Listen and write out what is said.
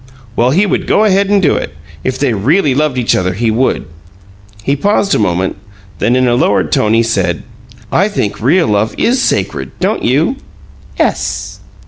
Well, he would go ahead and do it. If they really loved each other he would!" He paused a moment, then in a lowered tone he said, "I think REAL love is sacred, don't you?" "Ess."